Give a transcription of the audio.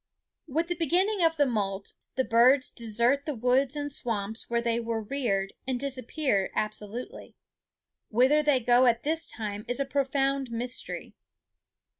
With the beginning of the molt the birds desert the woods and swamps where they were reared and disappear absolutely. Whither they go at this time is a profound mystery.